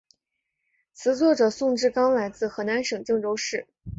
词作者宋志刚来自河南省郑州市。